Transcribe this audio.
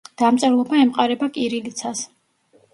დამწერლობა ემყარება კირილიცას.